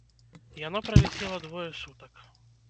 Яно правісела двое сутак.